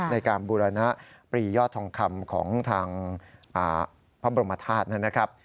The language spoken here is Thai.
ในการบูรณปรียอดทองคำของทางพระบรมธาตุนะครับ